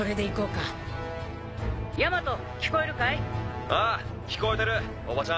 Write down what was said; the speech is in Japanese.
通信：大和）ああ聞こえてるおばちゃん。